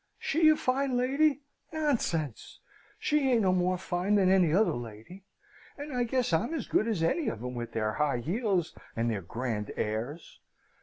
"She a fine lady! Nonsense! She ain't no more fine than any other lady: and I guess I'm as good as any of 'em with their high heels and their grand airs!